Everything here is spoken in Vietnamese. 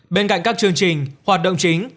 bên cạnh các chương trình hoạt động chính